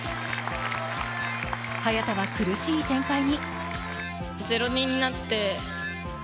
早田は苦しい展開に。